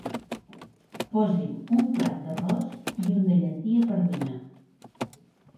Posi'm un plat d'arròs i un de llentia pardina.